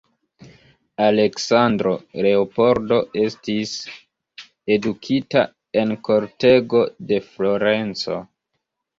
Aleksandro Leopoldo estis edukita en kortego de Florenco.